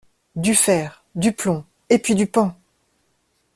Du fer, du plomb et puis du pain!